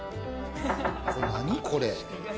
何これ？